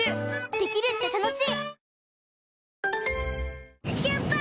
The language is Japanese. できるって楽しい！